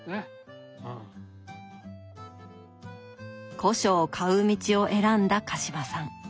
古書を買う道を選んだ鹿島さん